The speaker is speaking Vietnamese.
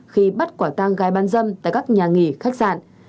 khi bắt quả tang gái bán dâm tại các nhà nghỉ khách sạn